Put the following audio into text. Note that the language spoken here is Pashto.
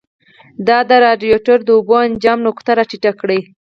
دا د رادیاتور د اوبو انجماد نقطه را ټیټه کړي.